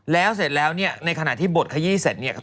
แล้วเสร็จแล้วในขณะที่บดขยี้เสร็จ